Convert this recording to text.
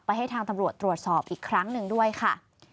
ให้ทางตำรวจตรวจสอบอีกครั้งหนึ่งด้วยค่ะ